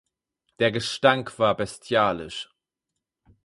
Der Gestank war bestialisch.